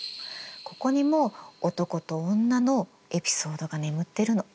ここにも男と女のエピソードが眠ってるの。